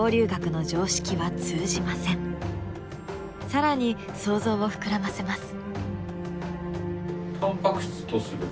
更に想像を膨らませます。